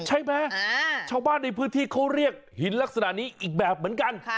ใช่ไหมชาวบ้านในพื้นที่เขาเรียกหินลักษณะนี้อีกแบบเหมือนกัน